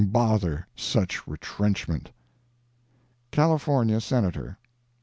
Bother such "retrenchment!" California Senator.